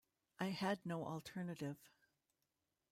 I had no alternative.